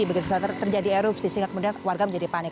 begitu saat terjadi erupsi sehingga kemudian warga menjadi panik